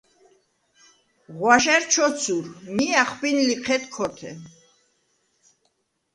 ღვაშა̈რ ჩოცურ, მი ა̈ხვბინ ლიჴედ ქორთე.